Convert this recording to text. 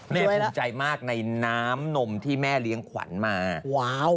ภูมิใจมากในน้ำนมที่แม่เลี้ยงขวัญมาว้าว